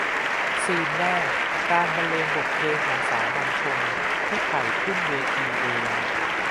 ซีนแรก การบรรเลงบทเพลงของสามัญชน ที่ไผ่ขึ้นเวทีเอง